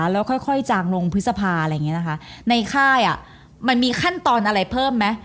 แล้วค่อยจางลงพฤษภาอะไรอย่างนี้นะคะในค่ายมันมีขั้นตอนอะไรเพิ่มไหม